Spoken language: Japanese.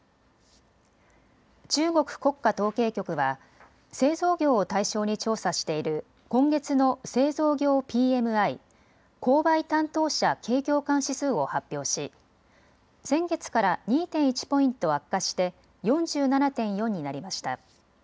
中国国家統計局は製造業を対象に調査している今月の製造業ＰＭＩ・購買担当者景況感指数を発表し先月から２．１ポイント悪化して４７．４になりました。